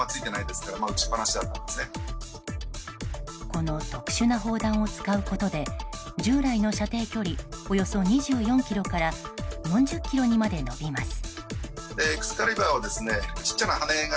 この特殊な砲弾を使うことで従来の射程距離およそ２４ｋｍから４０ｋｍにまで延びます。